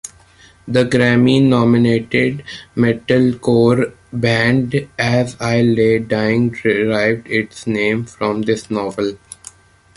The Grammy-nominated metalcore band As I Lay Dying derived its name from this novel.